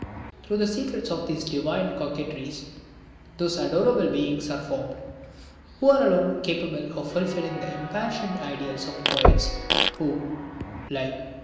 ] Through the secrets of these "divine coquetries" those adorable beings are formed, who are alone capable of fulfilling the impassioned ideals of poets who, like M.